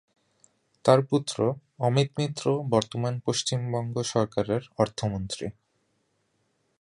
তার পুত্র অমিত মিত্র বর্তমান পশ্চিমবঙ্গ সরকারের অর্থমন্ত্রী।